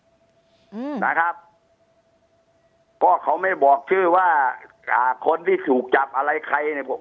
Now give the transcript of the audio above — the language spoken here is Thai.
อืมนะครับก็เขาไม่บอกชื่อว่าอ่าคนที่ถูกจับอะไรใครเนี่ย